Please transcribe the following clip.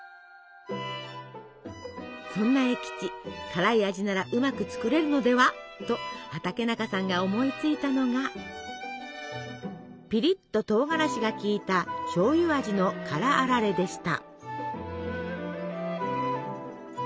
そんな栄吉辛い味ならうまく作れるのではと畠中さんが思いついたのがピリッととうがらしが効いたしょうゆ味の「辛あられ」でした。